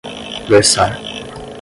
versar